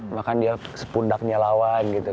maka dia sepundaknya lawan gitu kan